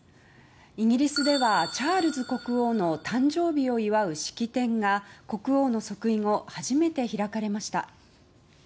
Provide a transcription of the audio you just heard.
イギリスではチャールズ国王の誕生日を祝う式典が国王の即位後初めて開かれました。